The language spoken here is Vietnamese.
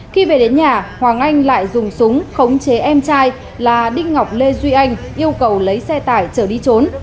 khi về đến nhà hoàng anh lại dùng súng khống chế em trai là đinh ngọc lê duy anh yêu cầu lấy xe tải chở đi trốn